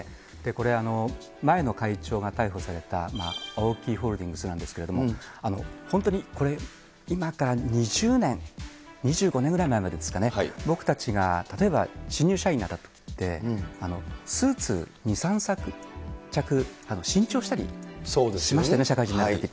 これ、前の会長が逮捕されたＡＯＫＩホールディングスなんですけれども、本当にこれ、今から２０年、２５年ぐらい前ですかね、僕たちが例えば新入社員にあたって、スーツ２、３着、新調したりしましたよね、社会人になったとき。